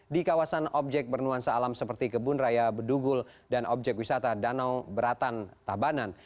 di kawasan objek bernuansa alam seperti kebun raya bedugul dan objek wisata danau beratan tabanan